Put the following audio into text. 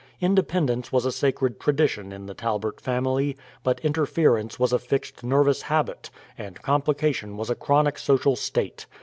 Independence was a sacred tradition in the Talbert family; but interference was a fixed nervous habit, and complication was a chronic social state.